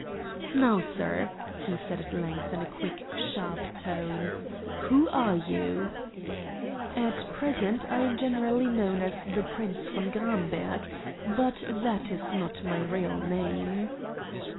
"Now, sir," he said at length in a quick, sharp tone. "Who are you?" "At present I am generally known as the Prince von Gramberg but that is not my real name."